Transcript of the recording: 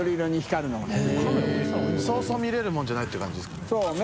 そうそう見れるもんじゃないって感じですかね？